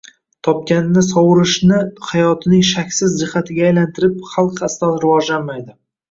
Topkanini sovurishni hayotining shaksiz jihatiga aylantirib xalq aslo rivojlanmaydi.